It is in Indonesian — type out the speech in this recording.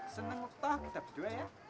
seneng toh kita berdua ya